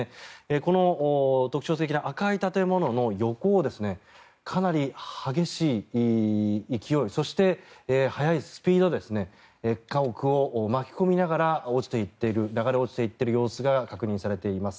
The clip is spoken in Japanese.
この特徴的な赤い建物の横をかなり激しい勢いそして、速いスピードで家屋を巻き込みながら流れ落ちていっている様子が確認されています。